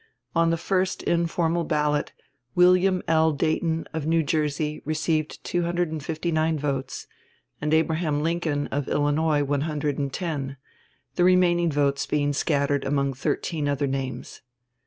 On the first informal ballot William L. Dayton, of New Jersey, received 259 votes and Abraham Lincoln, of Illinois, 110; the remaining votes being scattered among thirteen other names.